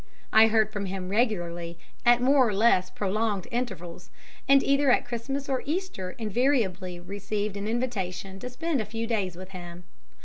I heard from him regularly at more or less prolonged intervals, and either at Christmas or Easter invariably received an invitation to spend a few days with him.